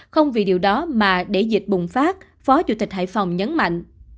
không vì điều đó mà để dịch bùng phát phó chủ tịch hải phòng nhấn mạnh